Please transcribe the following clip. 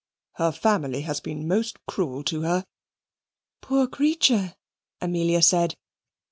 Her family has been most cruel to her." "Poor creature!" Amelia said.